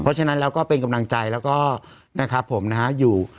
เพราะฉะนั้นแล้วก็เป็นกำลังใจแล้วก็นะครับผมนะฮะอยู่